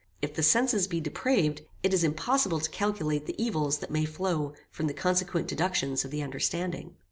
If the senses be depraved, it is impossible to calculate the evils that may flow from the consequent deductions of the understanding.